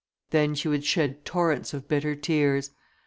Then she would shed torrents of bitter tears.